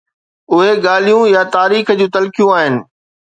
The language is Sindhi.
اهي ڳالهيون يا تاريخ جون تلخيون آهن.